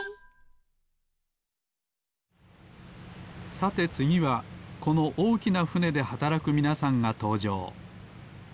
さてつぎはこのおおきなふねではたらくみなさんがとうじょう。